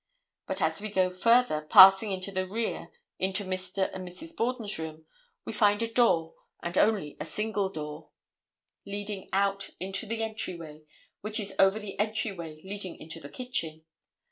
But as we go further, passing to the rear into Mr. and Mrs. Borden's room, we find a door, and only a single door, leading out into the entryway, which is over the entryway leading into the kitchen.